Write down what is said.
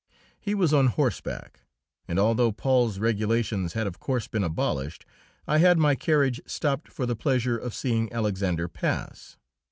He was on horseback, and although Paul's regulations had of course been abolished, I had my carriage stopped for the pleasure of seeing Alexander pass.